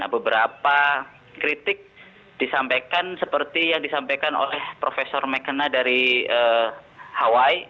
beberapa kritik disampaikan seperti yang disampaikan oleh prof mckenna dari hawaii